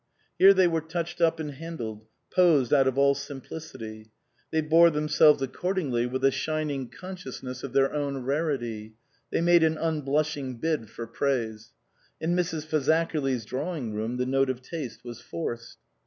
Here they were touched up and handled, posed out of all simplicity ; they bore themselves accordingly 84 INLAND with a shining consciousness of their own rarity ; they made an unblushing bid for praise. In Mrs. Fazakerly's drawing room the note of taste was forced.